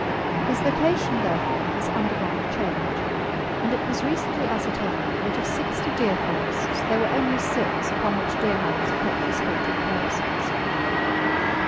His vocation, therefore, has undergone a change, and it was recently ascertained that of sixty deer forests there were only six upon which Deerhounds were kept for sporting purposes.